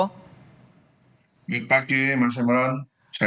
selamat pagi mas imron